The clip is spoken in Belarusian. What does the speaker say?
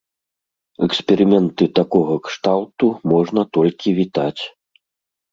Эксперыменты такога кшталту можна толькі вітаць.